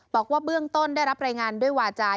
บอกว่าเบื้องต้นได้รับรายงานด้วยวาจา